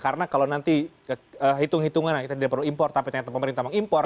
karena kalau nanti hitung hitungan kita tidak perlu impor tapi ternyata pemerintah mau impor